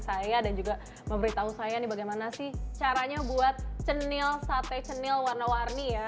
saya dan juga memberitahu saya nih bagaimana sih caranya buat cenil sate cenil warna warni ya